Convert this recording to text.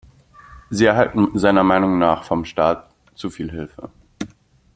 Sie erhalten seiner Meinung nach vom Staat zu viel Hilfe.